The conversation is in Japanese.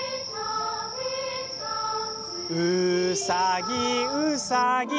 「うさぎうさぎ」